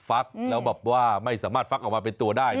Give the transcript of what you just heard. ฟักแล้วแบบว่าไม่สามารถฟักออกมาเป็นตัวได้